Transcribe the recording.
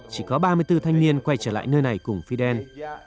chỉ có ba mươi bốn thanh niên quay trở lại nơi này cùng fidel